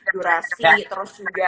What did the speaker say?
durasi terus juga